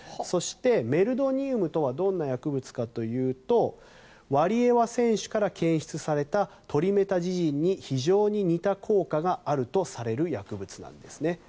そしてメルドニウムとはどんな薬物かというとワリエワ選手から検出されたトリメタジジンに非常に似た効果があるとされる薬物なんですね。